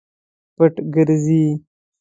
پټ ګرځي.